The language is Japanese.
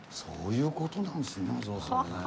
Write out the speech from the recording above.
そういう事なんですね。